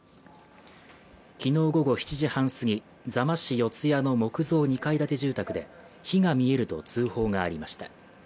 昨日午後７時半すぎ座間市四ツ谷の木造２階建て住宅で火が見えると通報がありました。